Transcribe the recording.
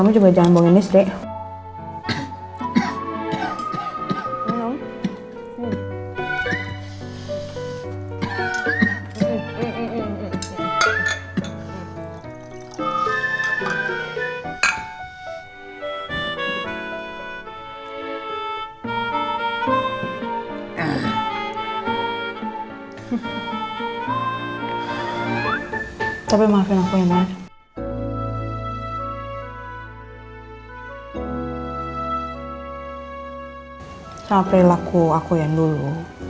saya perilaku aku yang dulu